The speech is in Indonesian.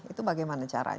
itu bagaimana caranya